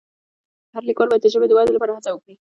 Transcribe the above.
هر لیکوال باید د ژبې د ودې لپاره هڅه وکړي.